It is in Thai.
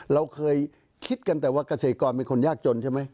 เราเคยคิดกันแต่ว่าเกษตรกรเป็นคนยากจนใช่ไหม